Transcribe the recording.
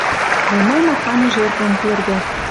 Война маханьы жертвым тергӓ